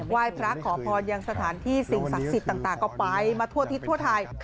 ไหว้พระขอพรยังสถานที่สิ่งศักดิ์สิทธิ์ต่างก็ไปมาทั่วทิศทั่วไทย